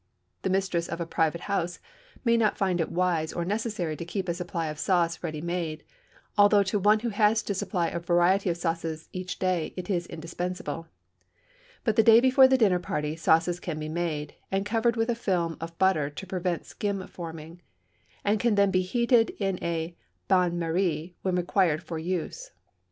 The mistress of a private house may not find it wise or necessary to keep a supply of sauce ready made, although to one who has to supply a variety of sauces each day it is indispensable; but the day before a dinner party sauces can be so made, and covered with a film of butter to prevent skin forming, and can then be heated in a bain marie when required for use.